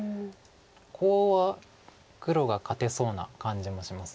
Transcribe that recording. コウは黒が勝てそうな感じもします。